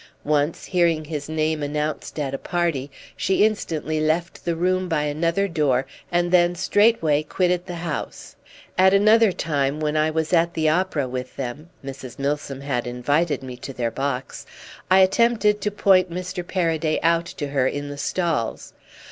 Once, hearing his name announced at a party, she instantly left the room by another door and then straightway quitted the house. At another time when I was at the opera with them—Mrs. Milsom had invited me to their box—I attempted to point Mr. Paraday out to her in the stalls.